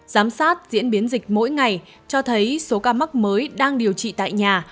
giám sát diễn biến dịch mỗi ngày cho thấy số ca mắc mới đang điều trị tại nhà